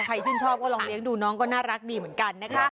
ชื่นชอบก็ลองเลี้ยงดูน้องก็น่ารักดีเหมือนกันนะคะ